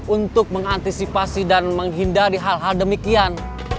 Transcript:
untuk mengantisipasi dan menghindari hal hal demikian